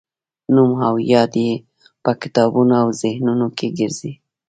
نوم او یاد یې په کتابونو او ذهنونو کې ګرځي.